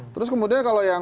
terus kemudian kalau yang